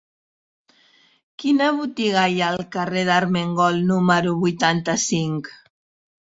Quina botiga hi ha al carrer d'Armengol número vuitanta-cinc?